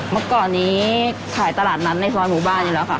เมื่อก่อนนี้ขายตลาดนัดในซอยหมู่บ้านอยู่แล้วค่ะ